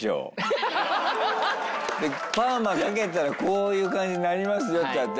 「パーマかけたらこういう感じになりますよ」って言われて。